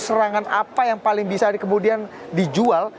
serangan apa yang paling bisa kemudian dijual